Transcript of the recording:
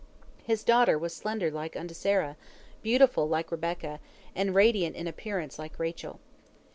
His daughter was slender like unto Sarah, beautiful like Rebekah, and radiant in appearance like Rachel.